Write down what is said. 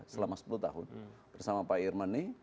selama sepuluh tahun bersama pak irmani